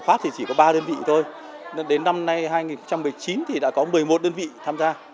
hôm nay hai nghìn một mươi chín thì đã có một mươi một đơn vị tham gia